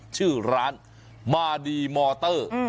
ชื่อร้านมาดีมอเตอร์